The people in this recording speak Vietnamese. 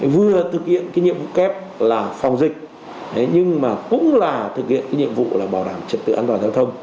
vừa thực hiện cái nhiệm vụ kép là phòng dịch nhưng mà cũng là thực hiện cái nhiệm vụ là bảo đảm trật tự an toàn giao thông